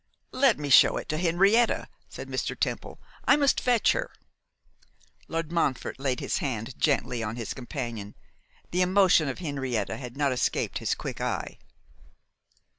'Let me show it to Henrietta,' said Mr. Temple; 'I must fetch her.' Lord Montfort laid his hand gently on his companion. The emotion of Henrietta had not escaped his quick eye.